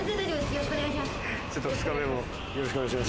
よろしくお願いします。